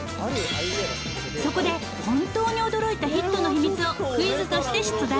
そこで本当に驚いたヒットの秘密をクイズとして出題。